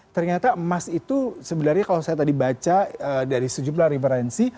ternyata emas itu sebenarnya kalau saya tadi baca dari sejumlah referensi